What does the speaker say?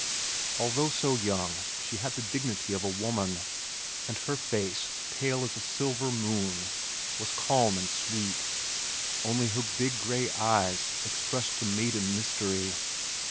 Although so young, she had the dignity of a woman, and her face, pale as a silver moon, was calm and sweet, only her big gray eyes expressed the maiden mystery.